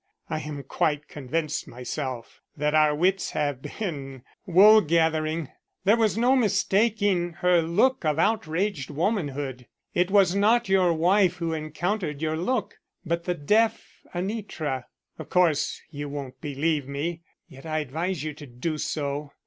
I am quite convinced myself, that our wits have been wool gathering. There was no mistaking her look of outraged womanhood. It was not your wife who encountered your look, but the deaf Anitra. Of course, you won't believe me. Yet I advise you to do so.